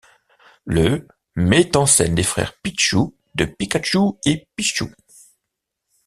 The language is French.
Le met en scène les frères Pichu de Pikachu & Pichu.